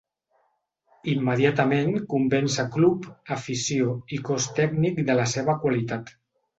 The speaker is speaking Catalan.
Immediatament convenç a club, afició i cos tècnic de la seva qualitat.